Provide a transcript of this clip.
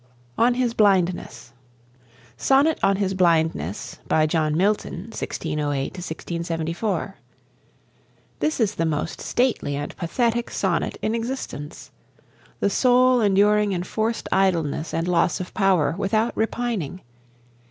ON HIS BLINDNESS. "Sonnet on His Blindness" (by John Milton, 1608 74). This is the most stately and pathetic sonnet in existence. The soul enduring enforced idleness and loss of power without repining.